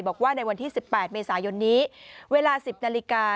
บอกว่าในวันที่๑๘เมษายนนี้เวลา๑๐นาฬิกา